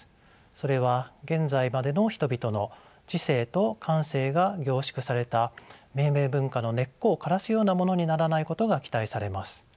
それは現在までの人々の知性と感性が凝縮された命名文化の根っこを枯らすようなものにならないことが期待されます。